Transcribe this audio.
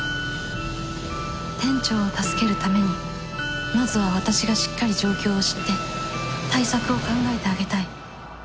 店長を助けるためにまずは私がしっかり状況を知って対策を考えてあげたい